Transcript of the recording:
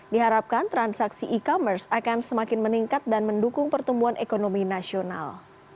diharapkan transaksi e commerce akan semakin meningkat dan mendukung pertumbuhan ekonomi nasional